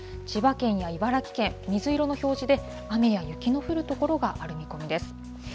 千葉県や茨城県、水色の表示で、雨や雪の降る所がある見込みです。